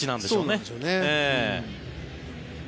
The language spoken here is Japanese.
そうなんでしょうね。